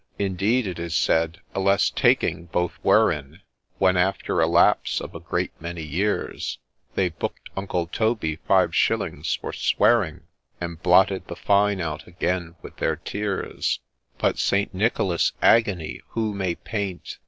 Indeed, it is said, a less taking both were in When, after a lapse of a great many years They book'd Uncle Toby five shillings for swearing, And blotted the fine out again with their tears 1 But St. Nicholas' agony who may paint